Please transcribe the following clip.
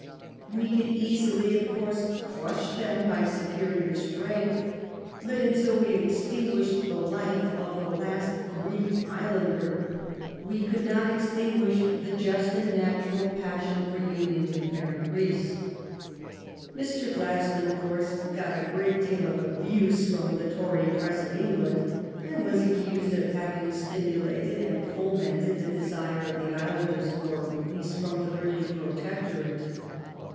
We could easily, of course, crush them by superior strength, but until we had extinguished the life of the last Greek islander we could not extinguish the just and natural passion for union with parent Greece. Mr. Gladstone, of course, got a great deal of abuse from the Tory press in England, and was accused of having stimulated and fomented the desire of the islanders for a release from the British Protectorate.